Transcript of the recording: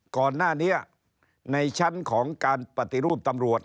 ก่อนหน้านี้ในชั้นของการปฏิรูปตำรวจ